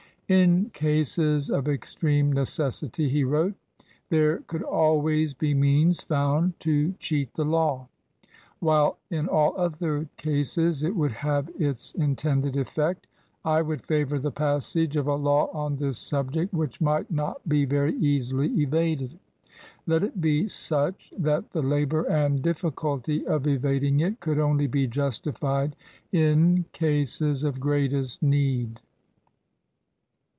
"In cases of extreme necessity," he wrote, "there could always be means found to cheat the law; while in all other cases it would have its in tended effect. I would favor the passage of a law on this subject which might not be very easily 41 LINCOLN THE LAWYER evaded. Let it be such that the labor and diffi culty of evading it could only be justified in cases of greatest need."